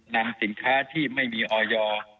นำสินค้าที่ไม่มีออยอร์